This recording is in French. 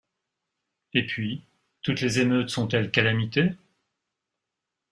Et puis, toutes les émeutes sont-elles calamités?